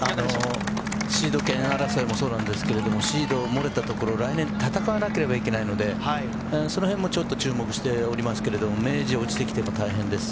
シード権争いもそうなんですがシード漏れたところ来年、戦わなければいけないのでその辺も注目していますが明治、落ちてきていると大変です。